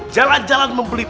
jalan jalan membeli pisau